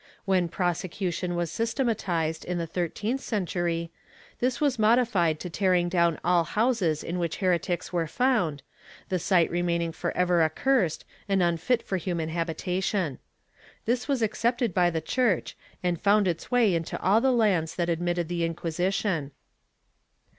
^ When prosecution was systematized in the thirteenth century, this was modified to tearing down all houses in which heretics were found, the site remaining forever accursed and unfit for human habitation. This was accepted by the Church and found its way into all the lands that admitted the Inquisition.